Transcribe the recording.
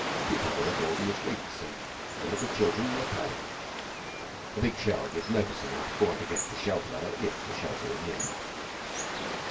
The people were abroad in the streets, and the little children were playing. A big shell gives notice enough for one to get to shelter, if the shelter is near enough.